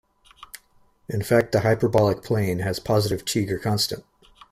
In fact the hyperbolic plane has positive Cheeger constant.